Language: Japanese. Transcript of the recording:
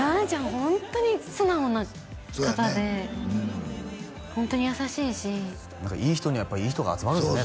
ホントに素直な方でホントに優しいしいい人にはやっぱいい人が集まるんですね